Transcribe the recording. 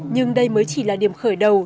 nhưng đây mới chỉ là điểm khởi đầu